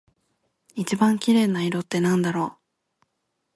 一番綺麗な色ってなんだろう？